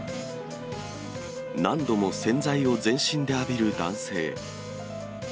何度も洗剤を全身で浴びる男性。